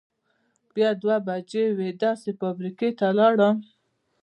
بیا دوه بجې یوې داسې فابرېکې ته لاړم.